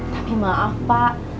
tapi maaf pak